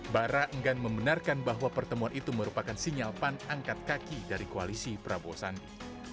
bara enggan membenarkan bahwa pertemuan itu merupakan sinyal pan angkat kaki dari koalisi prabowo sandi